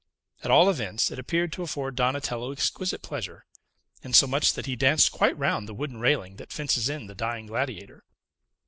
At all events, it appeared to afford Donatello exquisite pleasure; insomuch that he danced quite round the wooden railing that fences in the Dying Gladiator.